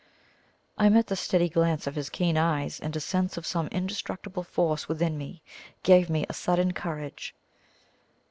I met the steady glance of his keen eyes, and a sense of some indestructible force within me gave me a sudden courage.